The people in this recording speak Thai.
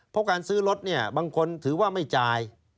พบการซื้อรถบางคนถือว่าไม่จ่าย